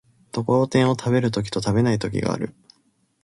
ところてんを食べる時と食べない時がある。